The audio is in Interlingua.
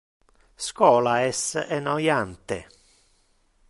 Schola es enoiante.